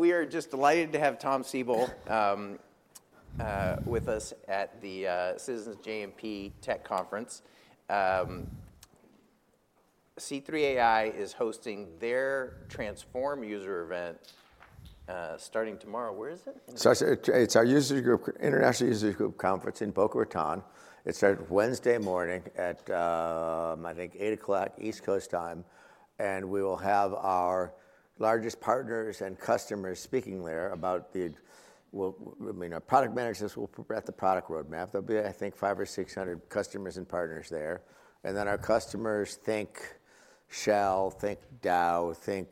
We are just delighted to have Tom Siebel with us at the Citizens JMP Technology Conference. C3.ai is hosting their Transform User Event, starting tomorrow. Where is it? So I said it's our user group, International User Group Conference in Boca Raton. It started Wednesday morning at, I think, 8:00 A.M. East Coast time. And we will have our largest partners and customers speaking there about the well, I mean, our product managers will prepare the product roadmap. There'll be, I think, five or 600 customers and partners there. And then our customers—think Shell, think Dow, think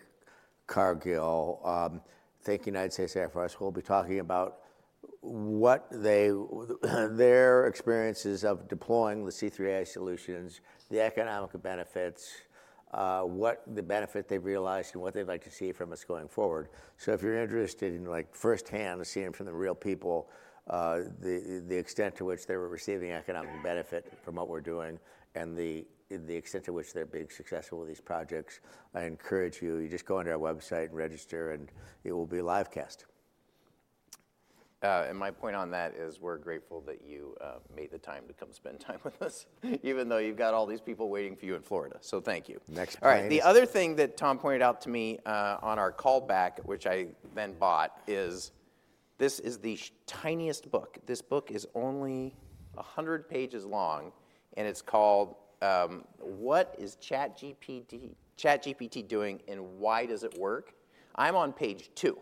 Cargill, think United States Air Force—will be talking about what they, their experiences of deploying the C3 AI solutions, the economic benefits, what the benefit they've realized and what they'd like to see from us going forward. So if you're interested in, like, firsthand seeing it from the real people, the extent to which they were receiving economic benefit from what we're doing and the extent to which they're being successful with these projects, I encourage you, you just go into our website and register and it will be live cast. My point on that is we're grateful that you made the time to come spend time with us even though you've got all these people waiting for you in Florida. So thank you. Next time. All right. The other thing that Tom pointed out to me, on our callback, which I then bought, is this is the tiniest book. This book is only 100 pages long and it's called What Is ChatGPT Doing and Why Does It Work? I'm on page 2,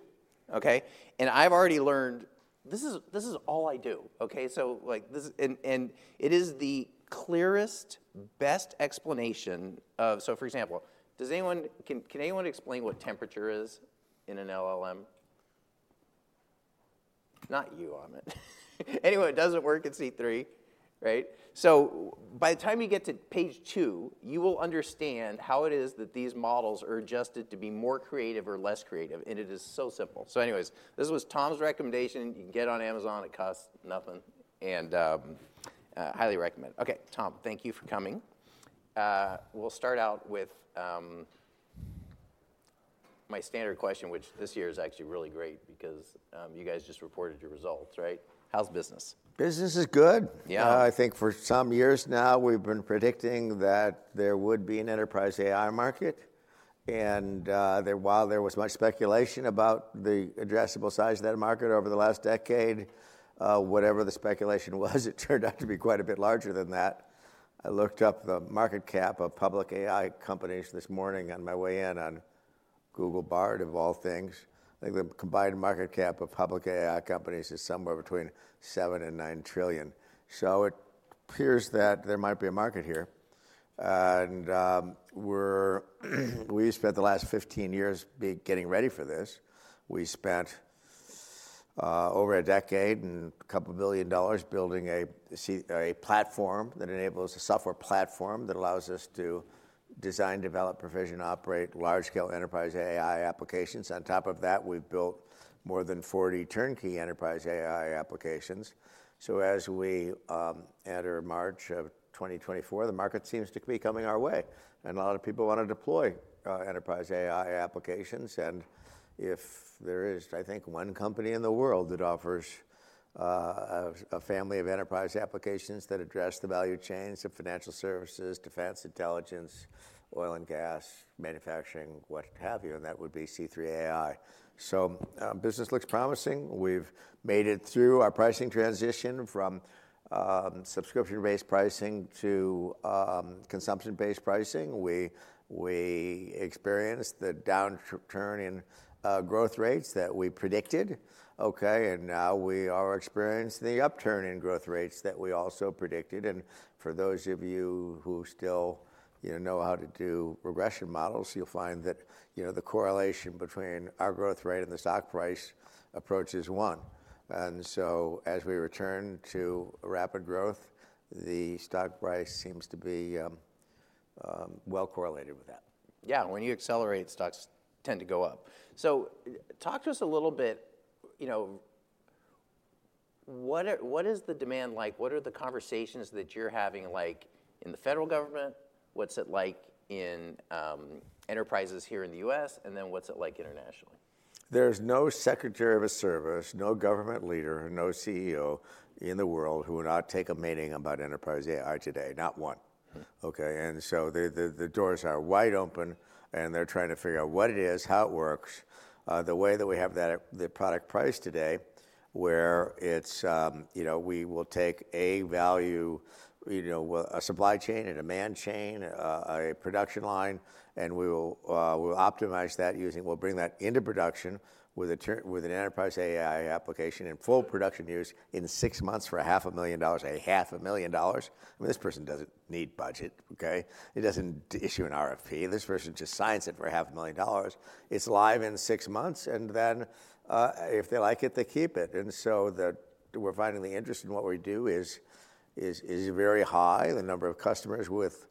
okay? And I've already learned this is all I do, okay? So, like, this is and it is the clearest, best explanation of so for example, can anyone explain what temperature is in an LLM? Not you, Ahmed. Anyone who doesn't work at C3, right? So by the time you get to page 2, you will understand how it is that these models are adjusted to be more creative or less creative. And it is so simple. So anyways, this was Tom's recommendation. You can get it on Amazon. It costs nothing. And highly recommend. Okay, Tom, thank you for coming. We'll start out with my standard question, which this year is actually really great because you guys just reported your results, right? How's business? Business is good. Yeah. For some years now we've been predicting that there would be an enterprise AI market. While there was much speculation about the addressable size of that market over the last decade, whatever the speculation was, it turned out to be quite a bit larger than that. I looked up the market cap of public AI companies this morning on my way in on Google Bard of all things. I think the combined market cap of public AI companies is somewhere between $7-$9 trillion. It appears that there might be a market here. We spent the last 15 years getting ready for this. We spent, over a decade and $2 billion building a platform that enables a software platform that allows us to design, develop, provision, operate large-scale enterprise AI applications. On top of that, we've built more than 40 turnkey enterprise AI applications. So as we enter March of 2024, the market seems to be coming our way. And a lot of people want to deploy enterprise AI applications. And if there is, I think, one company in the world that offers a family of enterprise applications that address the value chains of financial services, defense, intelligence, oil and gas, manufacturing, what have you, and that would be C3 AI. So business looks promising. We've made it through our pricing transition from subscription-based pricing to consumption-based pricing. We experienced the downturn in growth rates that we predicted, okay? And now we are experiencing the upturn in growth rates that we also predicted. For those of you who still, you know, know how to do regression models, you'll find that, you know, the correlation between our growth rate and the stock price approach is one. And so as we return to rapid growth, the stock price seems to be, well correlated with that. Yeah. When you accelerate, stocks tend to go up. So talk to us a little bit, you know, what is the demand like? What are the conversations that you're having, like, in the federal government? What's it like in enterprises here in the U.S.? And then what's it like internationally? There's no Secretary of a Service, no government leader, no CEO in the world who would not take a meeting about Enterprise AI today. Not one, okay? And so the doors are wide open and they're trying to figure out what it is, how it works, the way that we have that at the product price today where it's, you know, we will take a value, you know, a supply chain, a demand chain, a production line, and we will, we'll optimize that using we'll bring that into production with an Enterprise AI application in full production use in six months for $500,000, $500,000. I mean, this person doesn't need budget, okay? It doesn't issue an RFP. This person just signs it for $500,000. It's live in six months. And then, if they like it, they keep it. We're finding the interest in what we do is very high. The number of customers with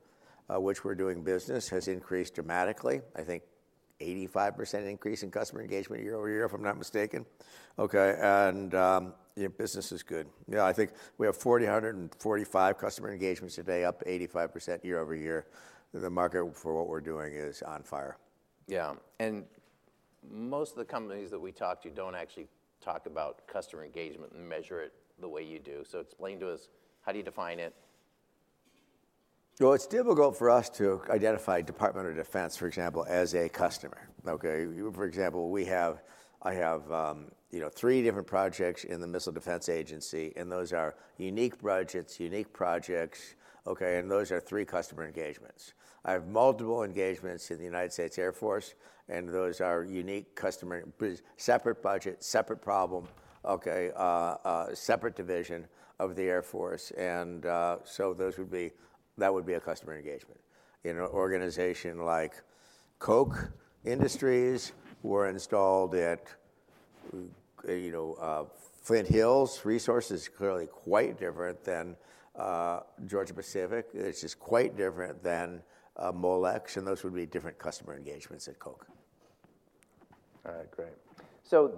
which we're doing business has increased dramatically, I think 85% increase in customer engagement year-over-year, if I'm not mistaken. Okay. And, you know, business is good. Yeah. I think we have 4,145 customer engagements today, up 85% year-over-year. The market for what we're doing is on fire. Yeah. And most of the companies that we talk to don't actually talk about customer engagement and measure it the way you do. So explain to us how do you define it? Well, it's difficult for us to identify Department of Defense, for example, as a customer, okay? For example, I have, you know, three different projects in the Missile Defense Agency. And those are unique budgets, unique projects, okay? And those are three customer engagements. I have multiple engagements in the United States Air Force. And those are unique customer, separate budget, separate problem, okay? Separate division of the Air Force. And, so those would be that would be a customer engagement. In an organization like Koch Industries, we're installed at, you know, Flint Hills Resources. It's clearly quite different than Georgia-Pacific. It's just quite different than Molex. And those would be different customer engagements at Koch. All right. Great. So,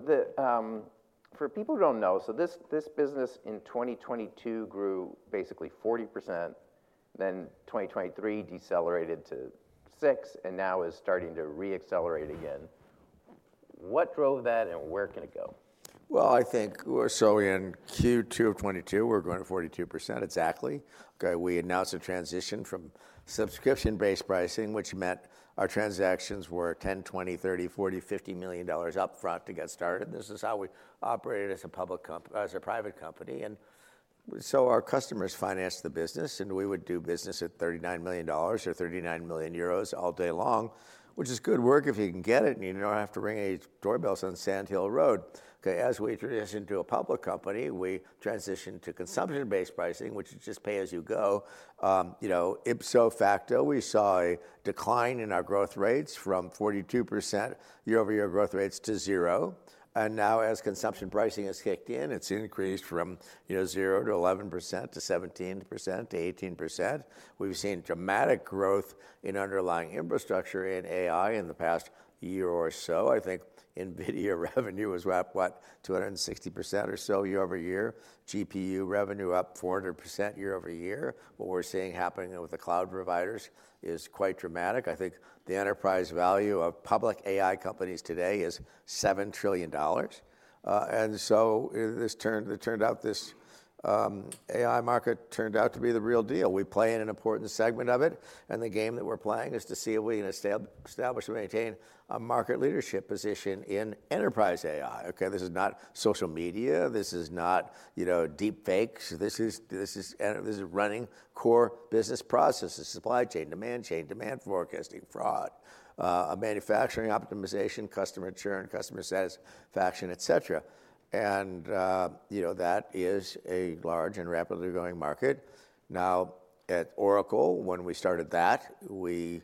for people who don't know, so this business in 2022 grew basically 40%, then 2023 decelerated to 6% and now is starting to re-accelerate again. What drove that and where can it go? Well, I think we're, so in Q2 of 2022, we're going to 42% exactly, okay? We announced a transition from subscription-based pricing, which meant our transactions were $10 million, $20 million, $30 million, $40 million, $50 million upfront to get started. This is how we operated as a public company as a private company. And so our customers financed the business. And we would do business at $39 million or 39 million euros all day long, which is good work if you can get it and you don't have to ring any doorbells on Sand Hill Road, okay? As we transitioned to a public company, we transitioned to consumption-based pricing, which is just pay as you go. You know, ipso facto, we saw a decline in our growth rates from 42% year-over-year growth rates to 0%. Now as consumption pricing has kicked in, it's increased from, you know, 0% to 11% to 17% to 18%. We've seen dramatic growth in underlying infrastructure in AI in the past year or so. I think NVIDIA revenue was what, what, 260% or so year-over-year, GPU revenue up 400% year-over-year. What we're seeing happening with the cloud providers is quite dramatic. I think the enterprise value of public AI companies today is $7 trillion. And so this AI market turned out to be the real deal. We play in an important segment of it. The game that we're playing is to see if we can establish and maintain a market leadership position in enterprise AI, okay? This is not social media. This is not, you know, deepfakes. This is running core business processes, supply chain, demand chain, demand forecasting, fraud, manufacturing optimization, customer churn, customer satisfaction, et cetera. You know, that is a large and rapidly growing market. Now at Oracle, when we started that, we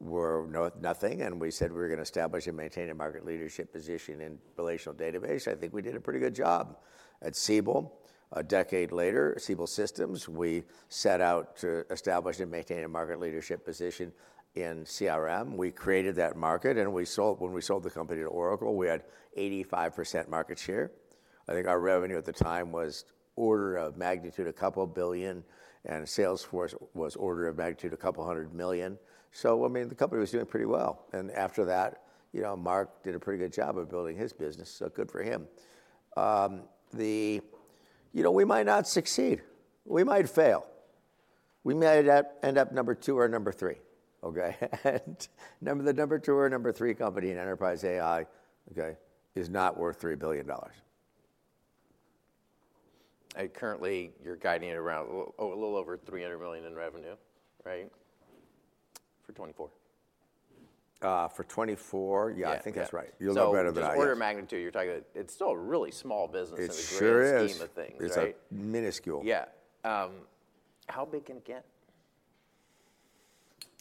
were nothing. We said we were going to establish and maintain a market leadership position in relational database. I think we did a pretty good job. At Siebel, a decade later, Siebel Systems, we set out to establish and maintain a market leadership position in CRM. We created that market and we sold the company to Oracle; we had 85% market share. I think our revenue at the time was order of magnitude $2 billion and Salesforce was order of magnitude $200 million. So, I mean, the company was doing pretty well. After that, you know, Marc did a pretty good job of building his business. Good for him. You know, we might not succeed. We might fail. We might end up number two or number three, okay? The number two or number three company in Enterprise AI, okay, is not worth $3 billion. Currently you're guiding it around a little over $300 million in revenue, right? For 2024. For 2024. Yeah, I think that's right. You'll know better than I. Just order of magnitude, you're talking about it's still a really small business in the greatest scheme of things, right? It's minuscule. Yeah. How big can it get?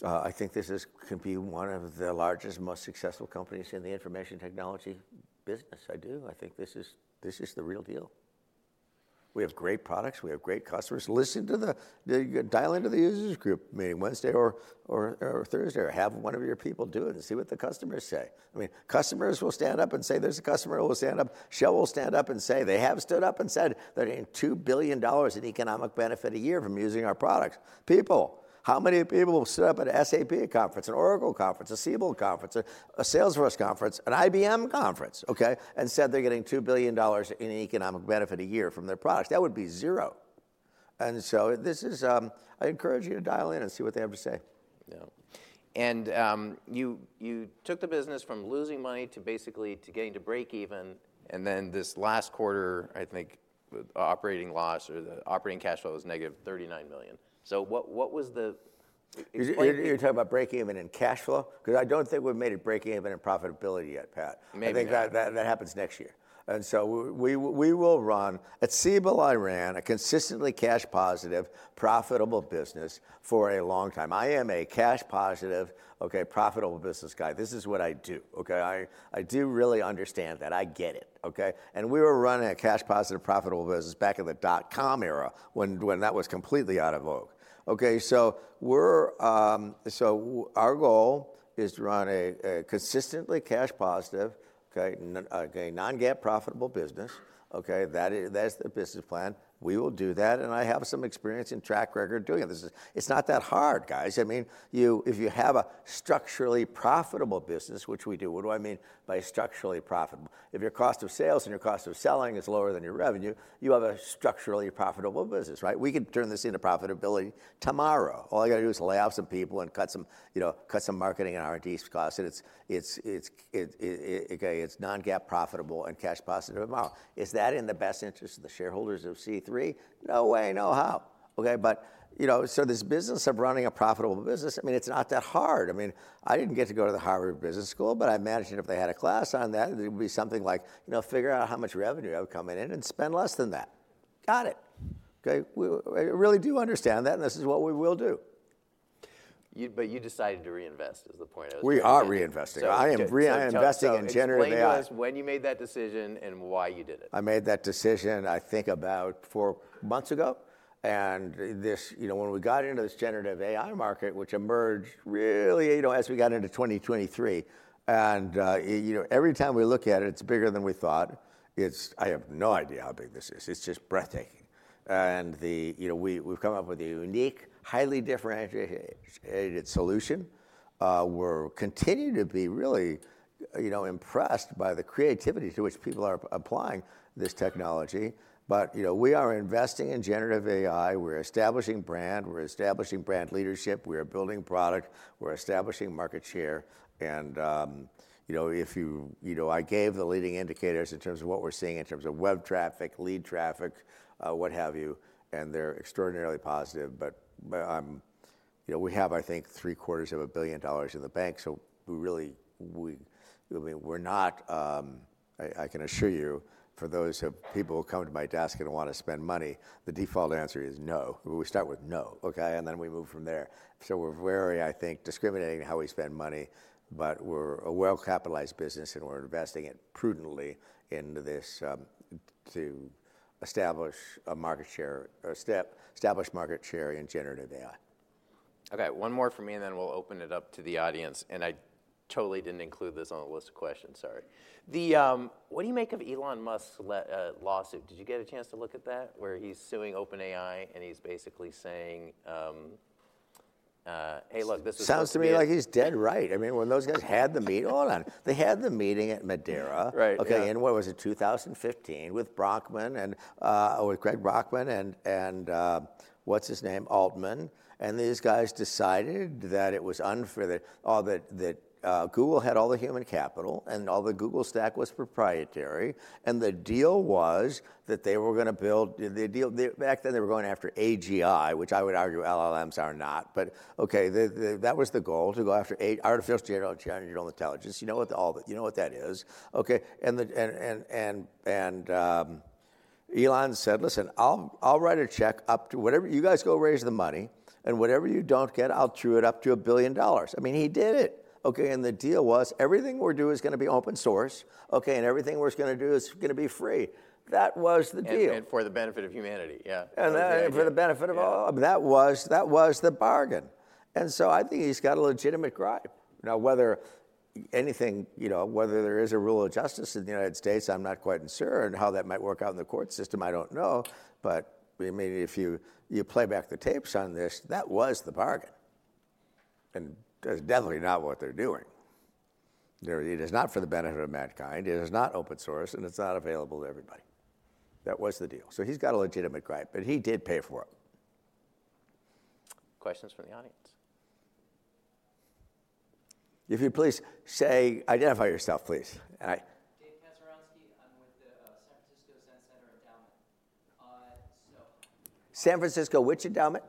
I think this can be one of the largest, most successful companies in the information technology business. I do. I think this is this is the real deal. We have great products. We have great customers. Listen to the dial into the users group meeting Wednesday or or Thursday or have one of your people do it and see what the customers say. I mean, customers will stand up and say there's a customer who will stand up. Shell will stand up and say they have stood up and said they're getting $2 billion in economic benefit a year from using our products. People, how many people will sit up at an SAP conference, an Oracle conference, a Siebel conference, a Salesforce conference, an IBM conference, okay, and said they're getting $2 billion in economic benefit a year from their products? That would be zero. And so this is. I encourage you to dial in and see what they have to say. Yeah. And, you took the business from losing money to basically getting to break even. And then this last quarter, I think operating loss or the operating cash flow was negative $39 million. So what was the. You're talking about break even in cash flow? Because I don't think we've made it break even in profitability yet, Pat. I think that that happens next year. And so we we will run at Siebel. I ran a consistently cash positive, profitable business for a long time. I am a cash positive, okay, profitable business guy. This is what I do, okay? I do really understand that. I get it, okay? And we were running a cash positive, profitable business back in the dot-com era when when that was completely out of vogue, okay? So we're, so our goal is to run a consistently cash positive, okay, non-GAAP profitable business, okay? That is that's the business plan. We will do that. And I have some experience and track record doing it. This is it's not that hard, guys. I mean, if you have a structurally profitable business, which we do, what do I mean by structurally profitable? If your cost of sales and your cost of selling is lower than your revenue, you have a structurally profitable business, right? We could turn this into profitability tomorrow. All I got to do is lay off some people and cut some, you know, cut some marketing and R&D costs. And it's non-GAAP profitable and cash positive tomorrow. Is that in the best interest of the shareholders of C3? No way, no how, okay? But, you know, so this business of running a profitable business, I mean, it's not that hard. I mean, I didn't get to go to the Harvard Business School, but I imagine if they had a class on that, it would be something like, you know, figure out how much revenue I would come in and spend less than that. Got it, okay? We really do understand that. And this is what we will do. But you decided to reinvest is the point. We are reinvesting. I am investing in generative AI. When you made that decision and why you did it? I made that decision, I think, about four months ago. And this, you know, when we got into this generative AI market, which emerged really, you know, as we got into 2023 and, you know, every time we look at it, it's bigger than we thought. It's, I have no idea how big this is. It's just breathtaking. And the, you know, we've come up with a unique, highly differentiated solution. We're continuing to be really, you know, impressed by the creativity to which people are applying this technology. But, you know, we are investing in generative AI. We're establishing brand. We're establishing brand leadership. We are building product. We're establishing market share. And, you know, if you, you know, I gave the leading indicators in terms of what we're seeing in terms of web traffic, lead traffic, what have you, and they're extraordinarily positive. But I'm, you know, we have, I think, $750 million in the bank. So we really I mean, we're not, I can assure you, for those people who come to my desk and want to spend money, the default answer is no. We start with no, okay? And then we move from there. So we're very, I think, discriminating how we spend money. But we're a well-capitalized business and we're investing it prudently into this to establish a market share, a step established market share in generative AI. Okay. One more for me and then we'll open it up to the audience. I totally didn't include this on the list of questions. Sorry. What do you make of Elon Musk's lawsuit? Did you get a chance to look at that where he's suing OpenAI and he's basically saying, hey, look, this is. Sounds to me like he's dead right. I mean, when those guys had the meeting, hold on, they had the meeting at Madera, okay? In what was it? 2015 with Brockman and, with Greg Brockman and, and, what's his name? Altman. And these guys decided that it was unfair that, oh, that, that, Google had all the human capital and all the Google stack was proprietary. And the deal was that they were going to build the deal. Back then, they were going after AGI, which I would argue LLMs are not. But, okay, that was the goal to go after artificial general intelligence. You know what all that you know what that is, okay? And the and and and and, Elon said, listen, I'll I'll write a check up to whatever you guys go raise the money and whatever you don't get, I'll chew it up to $1 billion. I mean, he did it, okay? And the deal was everything we're doing is going to be open source, okay? And everything we're going to do is going to be free. That was the deal. For the benefit of humanity. Yeah. For the benefit of all, that was the bargain. So I think he's got a legitimate gripe. Now, whether anything, you know, whether there is a rule of justice in the United States, I'm not quite sure and how that might work out in the court system, I don't know. But I mean, if you play back the tapes on this, that was the bargain and that's definitely not what they're doing. It is not for the benefit of mankind. It is not open source and it's not available to everybody. That was the deal. So he's got a legitimate gripe, but he did pay for it. Questions from the audience. If you please, say identify yourself, please. Dave Pazuransky. I'm with the San Francisco Zen Center Endowment. So. San Francisco, which endowment?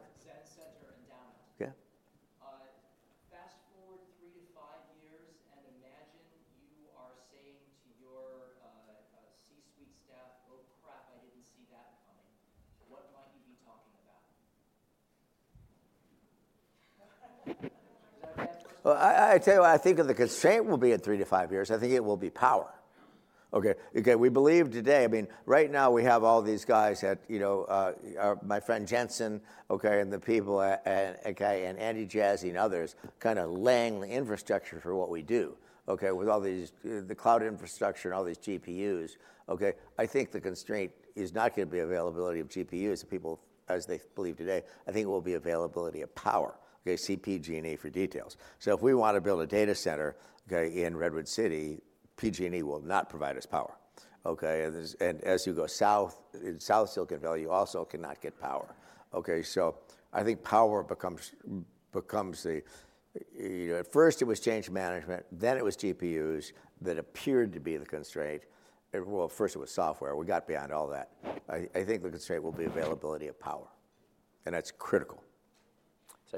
Zen Center Endowment. Okay. Fast forward 3-5 years and imagine you are saying to your C-suite staff, "Oh crap, I didn't see that coming." What might you be talking about? Well, I tell you what, I think the constraint will be in 3-5 years. I think it will be power, okay? Okay. We believe today, I mean, right now we have all these guys at, you know, my friend Jensen, okay, and the people, okay, and Andy Jassy and others kind of laying the infrastructure for what we do, okay, with all these the cloud infrastructure and all these GPUs, okay? I think the constraint is not going to be availability of GPUs and people as they believe today. I think it will be availability of power, okay? PG&E for details. So if we want to build a data center, okay, in Redwood City, PG&E will not provide us power, okay? And as you go south in South Silicon Valley, you also cannot get power, okay? So I think power becomes the, you know, at first it was change management, then it was GPUs that appeared to be the constraint. Well, first it was software. We got beyond all that. I think the constraint will be availability of power. And that's critical.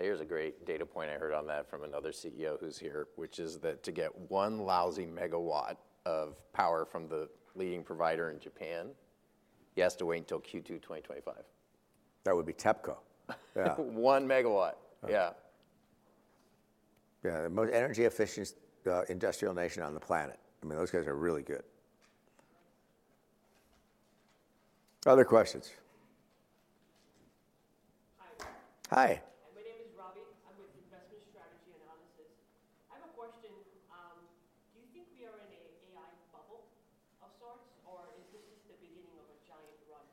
Here's a great data point I heard on that from another CEO who's here, which is that to get 1 lousy MW of power from the leading provider in Japan, you have to wait until Q2 2025. That would be TEPCO. Yeah. 1 MW. Yeah. Yeah. The most energy-efficient industrial nation on the planet. I mean, those guys are really good. Other questions? Hi. Hi. My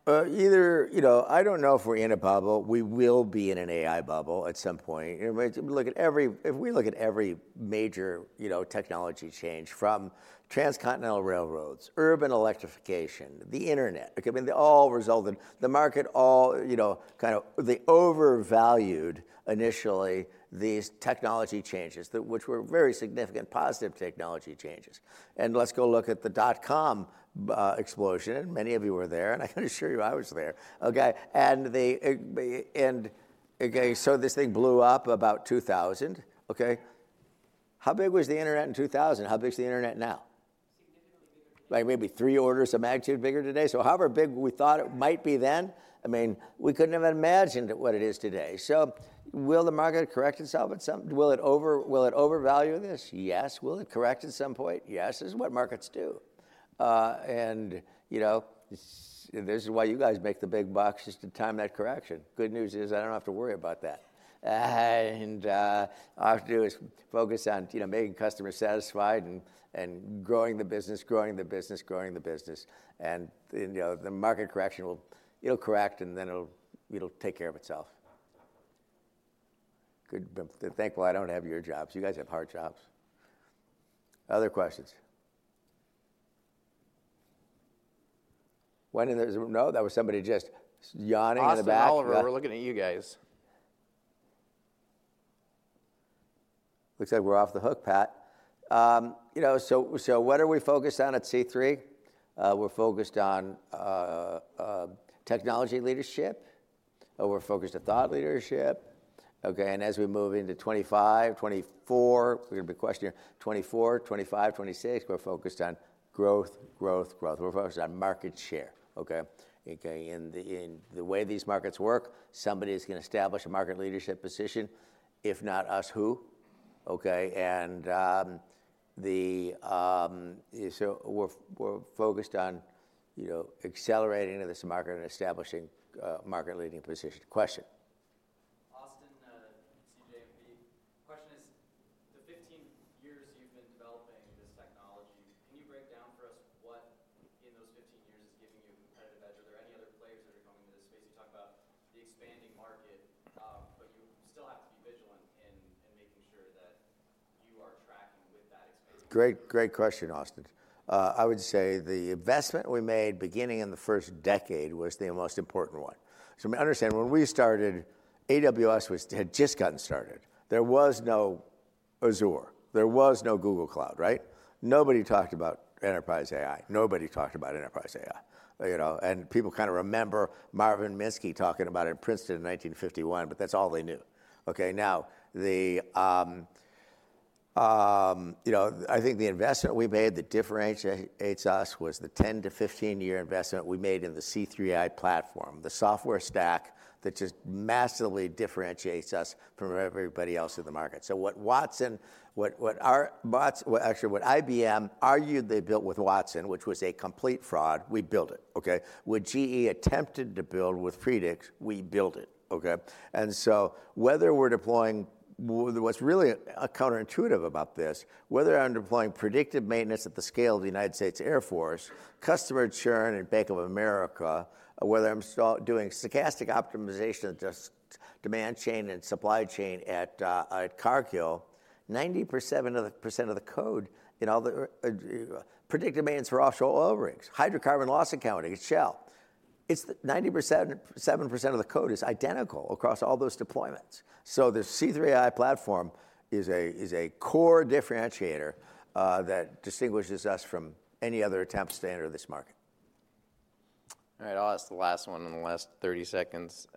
name is Robbie. I'm with Investment Strategy Analysis. I have a question. Do you think we are in an AI bubble of sorts or is this just the beginning of a giant run? Either, you know, I don't know if we're in a bubble. We will be in an AI bubble at some point. You know, look at every if we look at every major, you know, technology change from transcontinental railroads, urban electrification, the Internet, okay, I mean, they all result in the market all, you know, kind of they overvalued initially these technology changes that which were very significant positive technology changes. And let's go look at the dot-com explosion. And many of you were there and I can assure you I was there, okay? And the and okay. So this thing blew up about 2000, okay? How big was the Internet in 2000? How big is the Internet now? Significantly bigger today. Like maybe three orders of magnitude bigger today. So however big we thought it might be then, I mean, we couldn't have imagined what it is today. So will the market correct itself at some will it over will it overvalue this? Yes. Will it correct at some point? Yes. This is what markets do. You know, this is why you guys make the big bucks is to time that correction. Good news is I don't have to worry about that. All I have to do is focus on, you know, making customers satisfied and and growing the business, growing the business, growing the business. You know, the market correction will it'll correct and then it'll it'll take care of itself. Good. Thankful I don't have your jobs. You guys have hard jobs. Other questions? When there's no, that was somebody just yawning in the back. We're looking at you guys. Looks like we're off the hook, Pat. You know, so what are we focused on at C3? We're focused on technology leadership. We're focused on thought leadership, okay? And as we move into 2025, 2024, we're going to be questioning 2024, 2025, 2026. We're focused on growth, growth, growth. We're focused on market share, okay? Okay. In the way these markets work, somebody is going to establish a market leadership position. If not us, who? Okay. And so we're focused on, you know, accelerating this market and establishing market leading position. Question. Austin, Citizens JMP, question is the 15 years you've been developing this technology, can you break down for us what in those 15 years is giving you a competitive edge? Are there any other players that are coming to this space? You talk about the expanding market, but you still have to be vigilant in making sure that you are tracking with that expanding. Great, great question, Austin. I would say the investment we made beginning in the first decade was the most important one. So I mean, understand when we started, AWS had just gotten started. There was no Azure. There was no Google Cloud, right? Nobody talked about enterprise AI. Nobody talked about enterprise AI, you know, and people kind of remember Marvin Minsky talking about it in Princeton in 1951, but that's all they knew. Okay. Now the, you know, I think the investment we made that differentiates us was the 10-15 year investment we made in the C3.ai platform, the software stack that just massively differentiates us from everybody else in the market. So what Watson, what our bots, actually what IBM argued they built with Watson, which was a complete fraud, we built it, okay? What GE attempted to build with Predix, we built it, okay? And so whether we're deploying what's really counterintuitive about this, whether I'm deploying predictive maintenance at the scale of the United States Air Force, customer churn in Bank of America, whether I'm doing stochastic optimization of demand chain and supply chain at Cargill, 90% of the percent of the code in all the predictive maintenance for offshore oil rigs, hydrocarbon loss accounting, it's Shell. It's 90%, 7% of the code is identical across all those deployments. So the C3.ai platform is a core differentiator that distinguishes us from any other attempt to stay under this market. All right. I'll ask the last one in the last 30 seconds.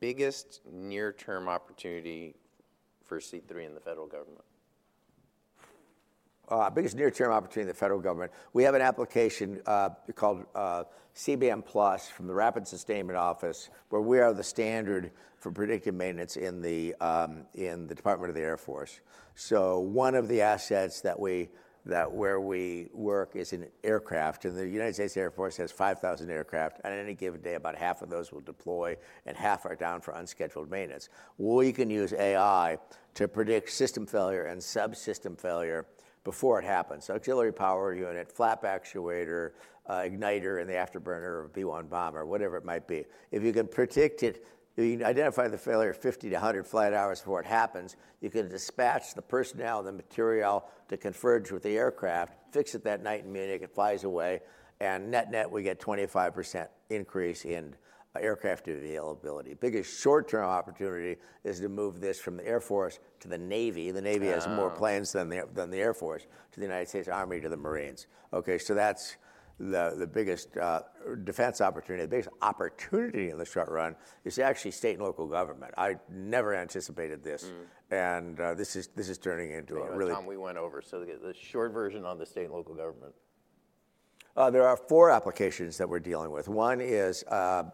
Biggest near-term opportunity for C3 in the federal government? Biggest near-term opportunity in the federal government. We have an application, called CBM Plus, from the Rapid Sustainment Office where we are the standard for predictive maintenance in the Department of the Air Force. So one of the assets that we work with is an aircraft. And the United States Air Force has 5,000 aircraft. At any given day, about half of those will deploy and half are down for unscheduled maintenance. Well, you can use AI to predict system failure and subsystem failure before it happens. So auxiliary power unit, flap actuator, igniter in the afterburner of a B-1 bomber, whatever it might be. If you can predict it, you can identify the failure 50-100 flight hours before it happens. You can dispatch the personnel and the material to converge with the aircraft, fix it that night in Munich, it flies away, and net net, we get 25% increase in aircraft availability. Biggest short-term opportunity is to move this from the Air Force to the Navy. The Navy has more planes than the Air Force to the United States Army, to the Marines. Okay. So that's the biggest defense opportunity. The biggest opportunity in the short run is actually state and local government. I never anticipated this. This is turning into a really. We went over. So the short version on the state and local government. There are four applications that we're dealing with. One is,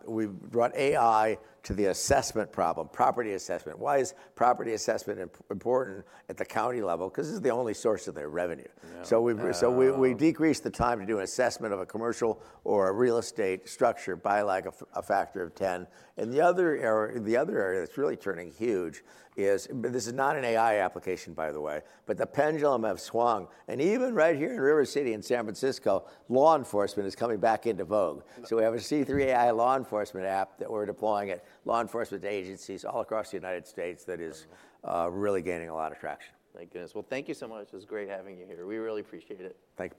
we brought AI to the assessment problem, property assessment. Why is property assessment important at the county level? Because this is the only source of their revenue. So we decreased the time to do an assessment of a commercial or a real estate structure by like a factor of 10. The other error, the other area that's really turning huge is this is not an AI application, by the way, but the pendulum has swung. And even right here in River City in San Francisco, law enforcement is coming back into vogue. So we have a C3 AI law enforcement app that we're deploying at law enforcement agencies all across the United States that is, really gaining a lot of traction. Thank goodness. Well, thank you so much. It was great having you here. We really appreciate it. Thank you.